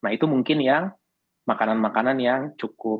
nah itu mungkin yang makanan makanan yang cukup